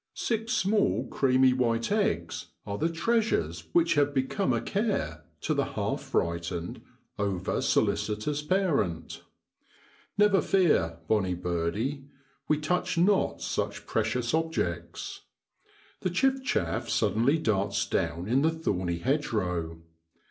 Six small creamy white eggs are the treasures which have become a care to the half fright ened, over solicitous parent. Never fear, bonnie birdie ! we touch not such precious objects. The chiff chaff suddenly darts down in the thorny hedgerow.